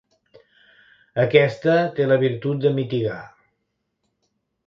Aquesta té la virtut de mitigar.